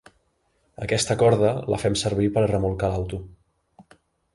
Aquesta corda, la fem servir per a remolcar l'auto.